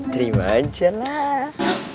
terima aja lah